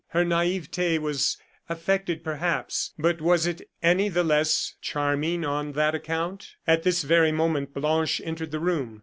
Her naivete was affected, perhaps, but was it any the less charming on that account? At this very moment Blanche entered the room.